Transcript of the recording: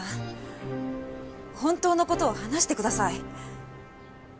本当の事を話してください！